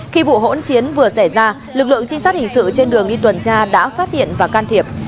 khi vụ hỗn chiến vừa xảy ra lực lượng trinh sát hình sự trên đường đi tuần tra đã phát hiện và can thiệp